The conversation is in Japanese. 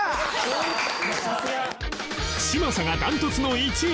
嶋佐が断トツの１位